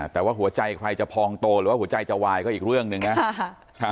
แต่ว่าหัวใจใครจะพองโตหรือว่าหัวใจจะวายก็อีกเรื่องหนึ่งนะ